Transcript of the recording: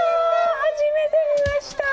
初めて見ました！